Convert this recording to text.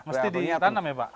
mesti ditanam ya pak